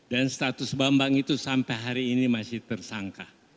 status bambang itu sampai hari ini masih tersangka